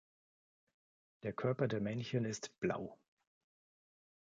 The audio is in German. Der Körper der Männchen ist blau.